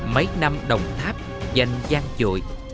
mấy năm đồng tháp danh gian trội